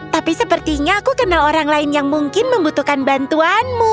tapi sepertinya aku kenal orang lain yang mungkin membutuhkan bantuanmu